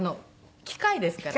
機械ですから。